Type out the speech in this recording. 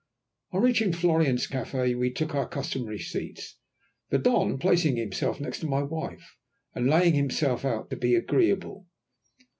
On reaching Florian's café, we took our customary seats, the Don placing himself next to my wife, and laying himself out to be agreeable.